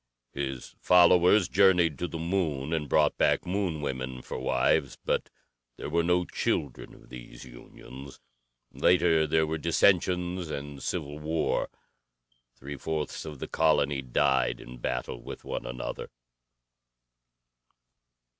"His followers journeyed to the Moon and brought back Moon women for wives. But there were no children of these unions. Later there were dissensions and civil war. Three fourths of the colony died in battle with one another.